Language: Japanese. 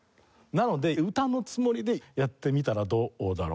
なので歌のつもりでやってみたらどうだろう？